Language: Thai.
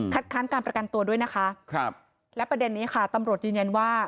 ค้านการประกันตัวด้วยนะคะครับและประเด็นนี้ค่ะตำรวจยืนยันว่า